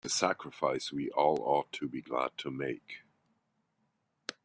It's a sacrifice we all ought to be glad to make.